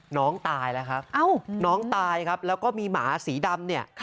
น้องตายแล้วครับน้องตายครับแล้วก็มีหมาสีดำเนี่ย